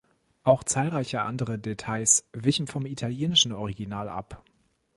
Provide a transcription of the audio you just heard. Auch zahlreiche andere Details wichen vom italienischen Original ab.